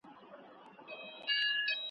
خو د خولې له خلاصېدو سره خطا سو .